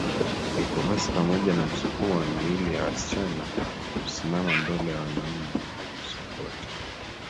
kikohozi pamoja na msukumo wa miili yao Wasichana husimama mbele ya wanaume na kusokota